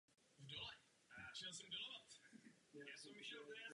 Spolu měli deset dětí.